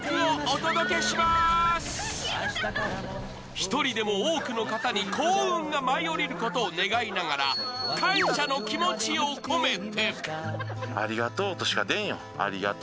１人でも多くの方に幸運が舞い降りることを願いながら感謝の気持ちを込めて。